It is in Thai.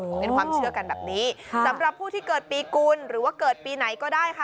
เป็นความเชื่อกันแบบนี้สำหรับผู้ที่เกิดปีกุลหรือว่าเกิดปีไหนก็ได้ค่ะ